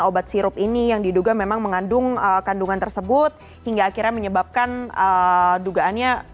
obat sirup ini yang diduga memang mengandung kandungan tersebut hingga akhirnya menyebabkan dugaannya